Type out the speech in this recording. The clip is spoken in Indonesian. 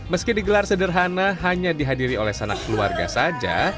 meski digelar sederhana hanya dihadiri oleh sanak keluarga saja